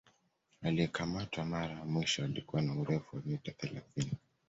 Aliyekamatwa mara ya mwisho alikuwa na urefu wa mita thelathini